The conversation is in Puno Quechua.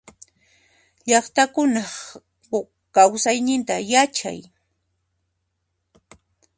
Llaqtakunaq kausayninta yachay.